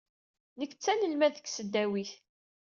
Nekk d tanelmadt deg tesdawit.